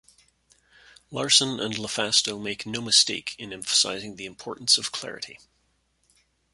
Larson and LaFasto make no mistake in emphasizing the importance of clarity.